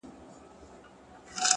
ما په لومړي ځل بعاوت سره لټې کړې ده!!